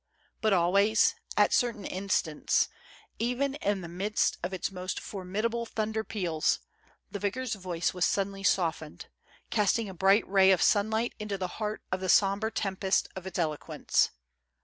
But always, at certain instants, even in the midst of its most formi dable thunder peals, the vicar's voice was suddenly soft ened, casting a bright ray of sunlight into the heart of the sombre tempest of its eloquence.